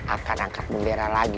akan angkat bendera lagi